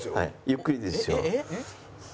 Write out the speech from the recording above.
ゆっくりでいいですよ。